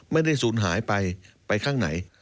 ไม่ได้สูญหายไปไปข้างไหน